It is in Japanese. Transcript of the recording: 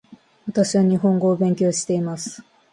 私は日本語を勉強しています